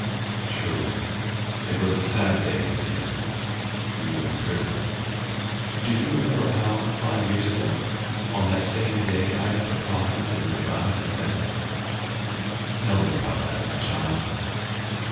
"True; it was a sad day, this year; you were in prison." "Do you remember how, five years ago, on that same day I got the prize in the regatta at Venice?" "Tell me about that, my child."